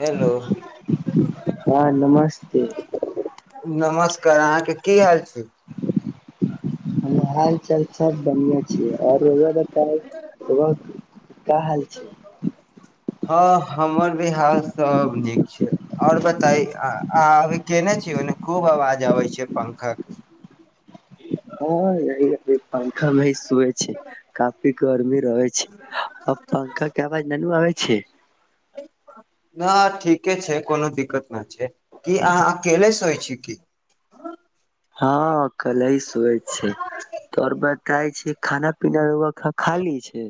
Hello हँ नमस्ते नमस्ते कर अहाँके की हाल छै हालचाल सब बढ़ियां छै आ रौआ बताउ का हाल छै हँ हमर बि हाल सब नीक छै और बताई अ अभी केने छी ओने खूब आवाज अबै छै पंखा के हँ य पंखा भ [inaudible] छै काफी गरमी रहै छै पंखा के आवाज ननू आबै छै नहि ठीके छै कोनो दिक्कत नहि छै कि अहाँ अकेले सोय छी की हँ अकले ही सुतै छै तो आओर बताै छी खाना पीना खाली छै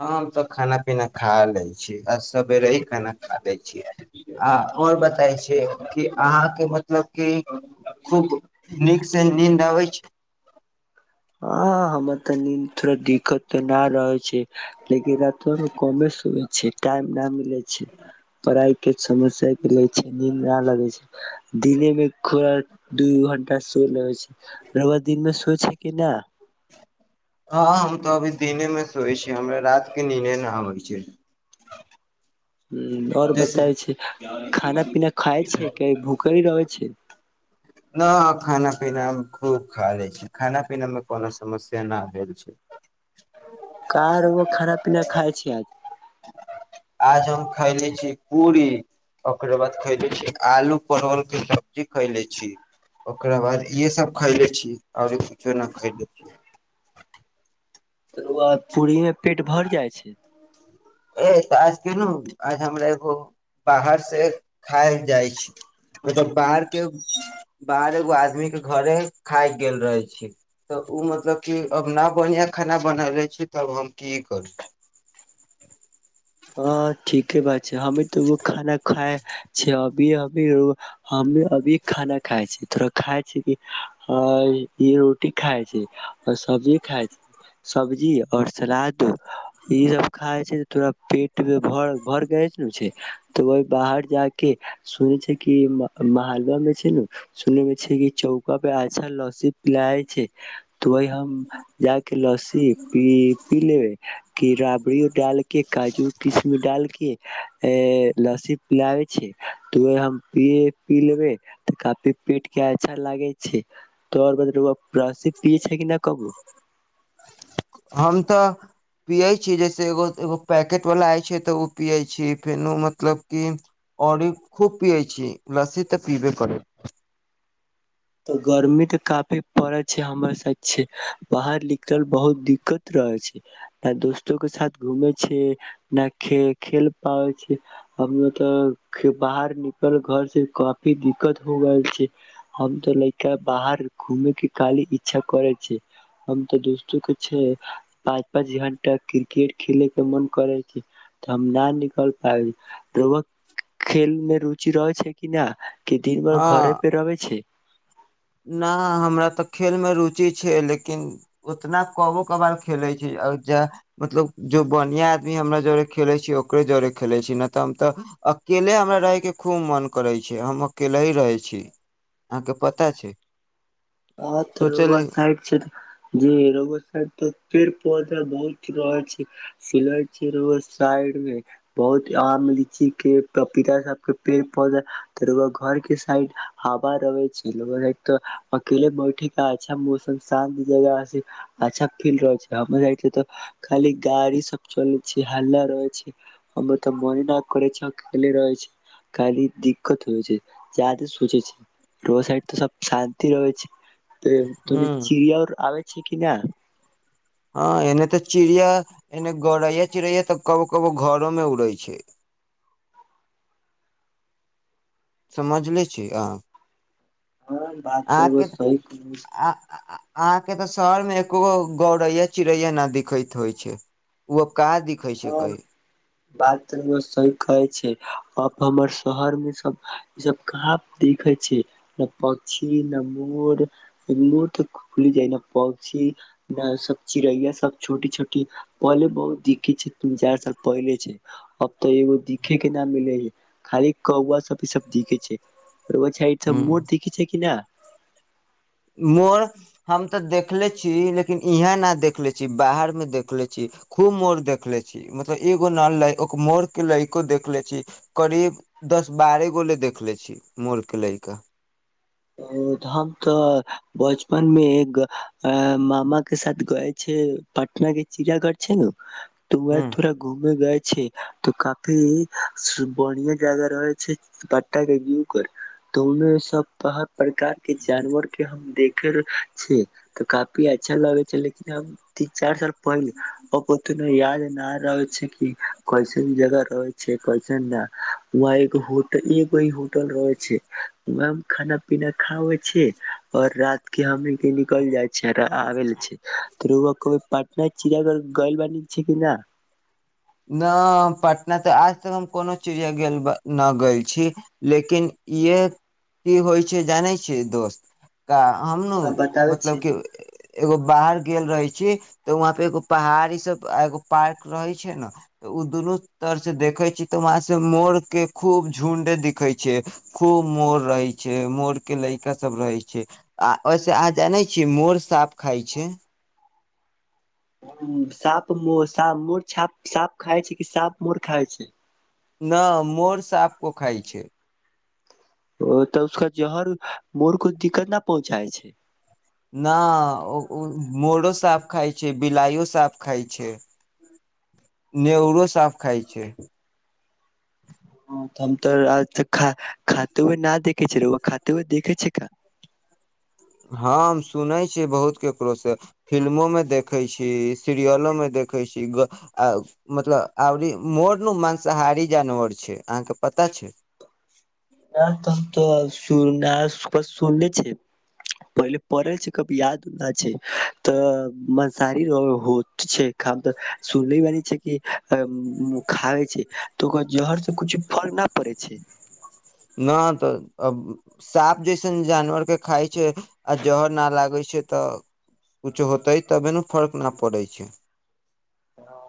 हँ हम तऽ खाना पीना खा लै छी आ सवेरे ही खाना खा लैत छी आ आओर बताै छी कि अहाँके मतलब कि खूब नीकसँ नीन्द अबै छै हँ हमर तऽ नींद थो दिक्कत तऽ न ना रहै छै लेकिन रातोमे कमे सुअय छिये टाइम ना मिल लैत छै पढ़ाई के समस्या ले छै नीन्द ना लगै छै दिने मे थोड़ा दू घंटा सो लगे छै राद दिन मे सो छै केना हँ हम तऽ अभी दिने मे सोैए छिय हमरा रात के निने न आबै छै हूँ आओर जैसे बताबै छै खाना पीना खाय छै की भूखरि रहै छै न खाना पीना मे खूब खा लै छी खाना पीना मे कोनो समस्या न भेल छै खाइ छीयै आज हम खैले छी पूरी ओकरा बाद खैले छी आलू परवल के सब्जी खैले छी ओकरा बाद इहे सब खैले छी आओर कुछो नहि खैले छी तै के बाद पूरी मे पेट भर जाइ छै ए तऽ आज कलू आज हमरा एगो बाहरसँ खाय ल जाइ छै मतलब बाहरके बाहर एगो आदमीके घरे खाय गेल रहै छै तऽ ओ मतलब कि अब नहि बढ़िआँ खाना बना रहै छै तब हम की करब हँ ठीके बात छै हमी तऽ ओ खाना खाय छियै अभीये हम अभी खाना खाय छी त थोड़ा खाय छी रोटी खाय छी आ सब्जी खाइ छी सब्जी और सलाद ई सब खाय छै [unintelligible] पेट मे भर भर ग छै तऽ वहि बाहर जााक सुने छै कि म महालंब मे छै नु सुन मे छै कि चौका पे अच्छा लस्सी पिलैय छै तऽ वहि हम जााक लस्सी पी पी लेबे कि राबड़ी डाल के काजू किशमि डालके ए लस्सी पिलाबे छै त उहे हम पी पीलेबै तऽ काफी पेट के अच्छा लागे छै तोरब लस्सी पियए छै कि न कबो हम तऽ पियै छी जैसे एगो एगो पैकेट वला होइ छै तऽ ओ पियै छी फेनो मतलब कि औरी खूब पियै छी लस्सी तऽ पियबे करै त गर्मी तऽ काफी पड़ै छै हमर सा छै बाहर निकलल बहुत दिक्कत रहे छै आ दोस्तो के साथ घूमे छियै न खे खेल पाबै छी हम तऽ बाहर निकल घर से काफी दिक्कत हो गेल छै त लैका बाहर घूमे के खाली इच्छा करे छै हम तऽ दोस्तो के छै पाँच पाँच घंटा क्रिकेट खेले के मन करे छै तऽ हम न निकल पाबी रोआ खेल मे रुचि रहै छै कि ना कि दिन बर घरे पे रबे छै ना हमरा तऽ खेलमे रुचि छै लेकिन उतना कबो कभार खेलैत छी जा मतलब जो बढ़िआँ आदमी हमरा जरे खेलैत छी ओकरे जोरे खेलैत छी नहि तऽ हम तऽ अकेले हमरा रहयके खूब मोन करैत छै हम अकेले ही रहैत छी अहाँके पता पता छै हँ तऽ रोब सोचली साइड छै जे रब साइड त फेर पौधा बहुत रह छै सिलैत छै रौआ साइड मे बहुत आम लीची के पपीता सब के पेड़ पौधा त रैआ घर के साइड हवा रहे छै रोआ रहित त अकेले बैठे के अच्छा मौसम शान्त जगह छै अच्छा फील रहै छै हमर साइड से त खाली गाड़ी सब चले छै हल्ला रहै छै हमर त मने न करे छै अकेले रहै छै खाली दिक्कत होइ छै जादे सोचै छि रोड साइड त सब शा ति रहै छै त तूने ह चिड़ियाआर आबे छै कि ना हँ एने तऽ चिड़िया एने गौड़ैया चिड़ैया तऽ कबो कबो घरोमे उड़ै छै समझ ले छी आ ह बात त र‌उआ सही कहे आहाँ के ते शहर मे एकोगो गौड़ैया चिड़ैया न दिखैत होइ छै उ अप हँ बात त र‌उआ सही कहै छै हमर शहर मे सब ई सब कहां दिखै छै न पक्षी न मोर मोर तऽ खुल जाय न पक्षी न सब चिड़ैया सब छोटी छोटी पहले बहुत दि खै छै तीन चार साल पहले छै अब तऽ एगो दिखे के नाम नइ लइ हइ खाली कौआ सब इसब दिखे छै र‌उआ साइड ह सब मोर देखि छै कि ना मोर हम तऽ देखले छी लेकिन इहाँ ना देखले छी बाहरमे देखले छी खूब मोर देखले छी मतलब एगो ना ल मोरके ल‌इको देख ले छी करीब दस बारह गो ले देखले छी मोरके ल‌इका ओ त हम तऽ बचपन मे ग ए मामा के साथ गए छै पटना के चिड़ाघर छै नु त वहे ह थोड़ा घूमे गए छै तऽ काफी बढ़िया जगह रहै छै पटना के जूकर तऽ ओमे सब त ह प्रकार के जानवर के हम देख फेरो छै तऽ काफी अच्छा लगे छै लेकिन अब तीन चार साल पहिले अब ओतनो याद न रहै छै कि कैसन जगह रहे छै कैसन ना उहां एगो हो तऽ इगोइ होटल रहै छै माम खाना पीना खा आबै छियै और रात के हमनिके निकल जाइ छै रा आ आबे ले छै तू र‌उआ कबो पटना चिड़ाघर गइल बानि छै कि न न हम पटना त आज तक हम कोनो चिड़िया गेल ब नहि गेल छी लेकिन इहे की होइ छै जानै छियै दोस्त का हमनु आ बताबै छी मतलब कि एगो बाहर गेल रहे छी तऽ वहां पे एगो पहाड़ी सब एगो पार्क रहे छै न त ओ दुनू तरसँ देखै छै। तऽ वहाँ से मोरके खूब झुण्ड दिखै छै। खूब मोर रहै छै। मोरके ल‌इका सब रहै छै। आ ओहिसे अहाँ जानै छियै मोर साप खाइ छै साप मो सा मोड़ छाप साप खाय छै कि साप मोड़ खाय छै। न मोर साप को खाय छै ओ तऽ उसका जहर मोर को दिक्कत न पहुँचाए छै। न उ उ मोरो साप खाय छै बिलाइयो साप खााय छै। नेउरो साप खाय छै। हम तऽ त खा खाते हुए ना देखे छै। र‌उआ खाते हुए देखे छै। का हम सुनै छियै बहुत ककरोसँ फिल्मोमे देखै छी सीरियलोमे देखै छी ग आ मतलब आवरी मोर नु माँंसाहारी जानवर छै। अहाँके पता छै। त तऽ हम त सुननास प सुनले छै पहिले पड़ै छै कब याद उद ना छै तऽ मंसाहारी होइत छै हम तो सुनले बानी छै कि खाबै छै त ओकर जहर से कुछ फर्क ना पड़ै छै न तऽ अब साप जैसन जानवरके खाइ छै। आ जहर ना लागै छै। तऽ कुछो होतै तबे नु फर्क न पड़ै छै। ह